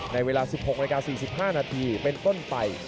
ในเวลา๑๖นาที๔๕นาทีเป็นต้นไป